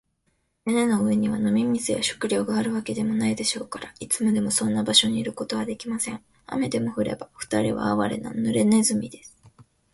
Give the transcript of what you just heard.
屋根の上には飲み水や食料があるわけでもないでしょうから、いつまでもそんな場所にいることはできません。雨でも降れば、ふたりはあわれな、ぬれネズミです。